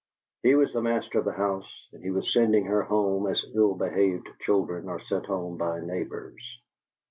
He was the master of the house, and he was sending her home as ill behaved children are sent home by neighbors.